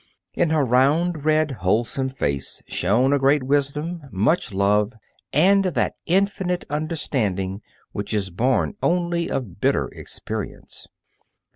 In her round, red, wholesome face shone a great wisdom, much love, and that infinite understanding which is born only of bitter experience.